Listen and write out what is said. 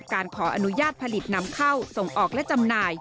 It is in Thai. การขออนุญาตผลิตนำเข้าส่งออกและจำหน่าย